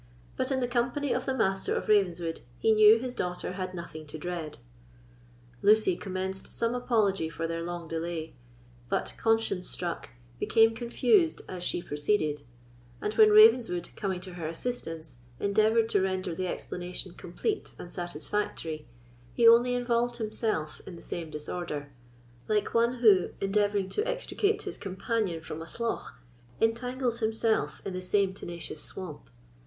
But, in the company of the Master of Ravenswood, he knew his daughter had nothing to dread." Lucy commenced some apology for their long delay, but, conscience struck, becames confused as she proceeded; and when Ravenswood, coming to her assistance, endeavoured to render the explanation complete and satisfactory, he only involved himself in the same disorder, like one who, endeavouring to extricate his companion from a slough, entangles himself in the same tenacious swamp.